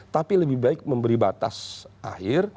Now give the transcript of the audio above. tapi lebih baik memberi batas akhir